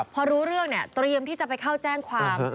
พอรู้เรื่องเนี่ยเตรียมที่จะไปเข้าแจ้งความ